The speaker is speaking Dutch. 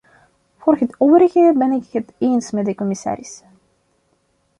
Voor het overige ben ik het eens met de commissaris.